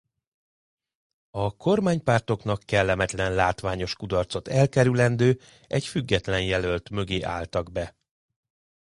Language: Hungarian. A kormánypártoknak kellemetlen látványos kudarcot elkerülendő egy független jelölt mögé álltak be.